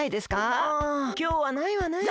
ああきょうはないわねえ。